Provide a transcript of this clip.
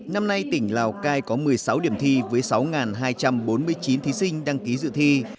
năm nay tỉnh lào cai có một mươi sáu điểm thi với sáu hai trăm bốn mươi chín thí sinh đăng ký dự thi